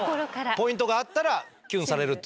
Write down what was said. ポイントがあったらきゅんされるという。